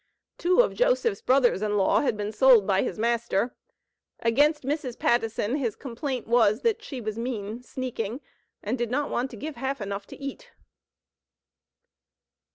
Two of Joseph's brothers in law had been sold by his master. Against Mrs. Pattison his complaint was, that "she was mean, sneaking, and did not want to give half enough to eat."